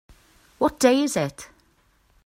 What day is it?